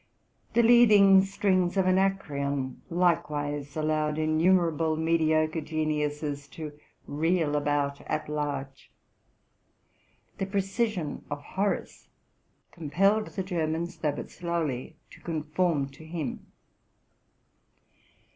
The leading strings of Anacreon like wise allowed innumerable mediocre genuises to reel about at large. The precision of Horace compelled the Germans, though but slowly, to conform to him.